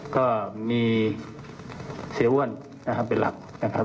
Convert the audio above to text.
ก็มีเสียอ้วนนะครับเป็นหลักนะครับ